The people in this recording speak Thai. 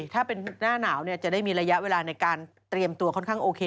ถ้าเป็นหน้าหนาวจะได้มีระยะเวลาในการเตรียมตัวค่อนข้างโอเค